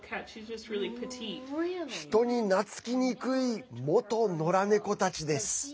人に懐きにくい元のら猫たちです。